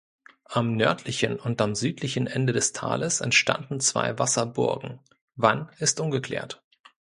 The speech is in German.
Am nördlichen und am südlichen Ende des Tales entstanden zwei Wasserburgen, wann ist ungeklärt.